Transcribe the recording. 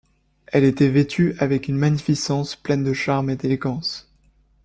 Elle était vêtue avec une magnificence pleine de charme et d’élégance.